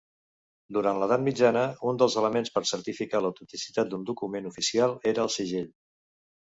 Durant l'edat mitjana, un dels elements per certificar l'autenticitat d'un document oficial era el segell.